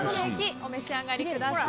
お召し上がりください。